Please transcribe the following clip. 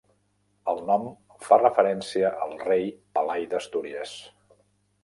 El nom fa referència al rei Pelai d'Astúries.